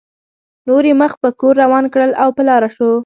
نور یې مخ په کور روان کړل او په لاره شو.